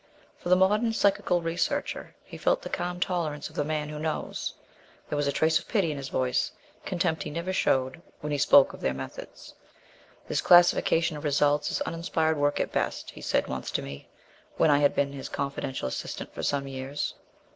For the modern psychical researcher he felt the calm tolerance of the "man who knows." There was a trace of pity in his voice contempt he never showed when he spoke of their methods. "This classification of results is uninspired work at best," he said once to me, when I had been his confidential assistant for some years.